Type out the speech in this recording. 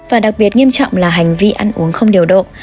và đặc biệt nghiêm trọng là hành vi ăn uống không điều độ